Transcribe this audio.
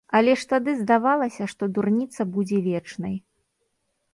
Але ж тады здавалася, што дурніца будзе вечнай.